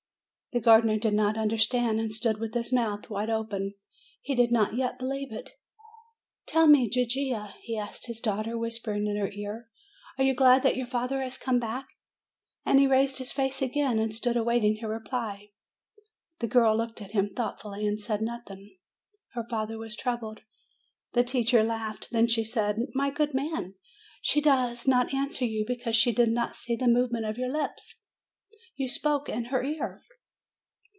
The gardener did not understand, and stood with his mouth wide open. He did not yet believe it. "Tell me, Gigia," he asked his daughter, whisper ing in her ear, "are you glad that your father has come back?" and he raised his face again, and stood await ing her reply. The girl looked at him thoughtfully, and said nothing. 304 MAY Her father was troubled. The teacher laughed. Then she said: "My good man, she does not answer you, because she did not see the movements of your lips; you spoke in her ear!